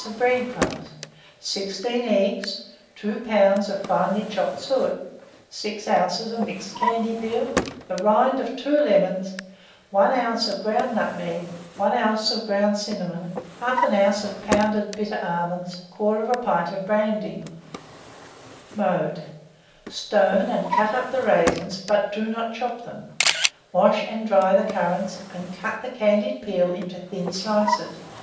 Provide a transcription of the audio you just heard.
of bread crumbs, 16 eggs, 2 lbs. of finely chopped suet, 6 oz. of mixed candied peel, the rind of 2 lemons, 1 oz. of ground nutmeg, 1 oz. of ground cinnamon, 1/2 oz. of pounded bitter almonds, 1/4 pint of brandy. Mode. Stone and cut up the raisins, but do not chop them; wash and dry the currants, and cut the candied peel into thin slices.